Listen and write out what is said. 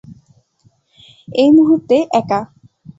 এই মুহূর্তে একা।